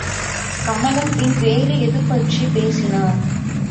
கமலம் பின் வேறு எதுபற்றிப் பேசினார்?